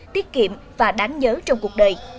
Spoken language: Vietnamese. tiết kiệm và đáng nhớ trong cuộc đời